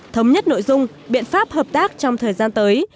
thống nhất nội dung biện pháp hợp tác trong thời gian tới